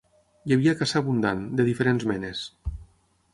Hi havia caça abundant, de diferents menes.